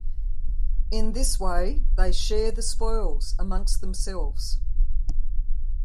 In this way, they "share the spoils" among themselves.